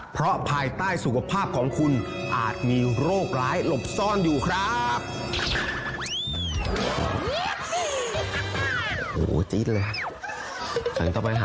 เพราะภายใต้สุขภาพของคุณอาจมีโรคร้ายหลบซ่อนอยู่ครับ